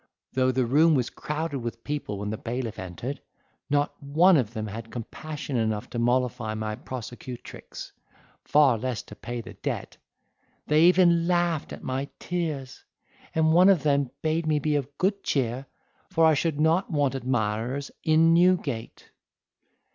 Though the room was crowded with people when the bailiff entered, not one of them had compassion enough to mollify my prosecutrix, far less to pay the debt; they even laughed at my tears, and one of them bade me be of good cheer, for I should not want admirers in Newgate.